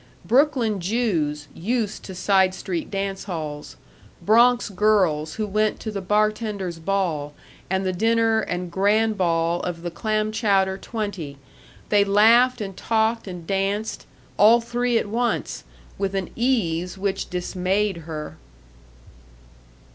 Brooklyn Jews used to side street dance halls, Bronx girls who went to the bartenders' ball, and the dinner and grand ball of the Clamchowder Twenty, they laughed and talked and danced all three at once with an ease which dismayed her.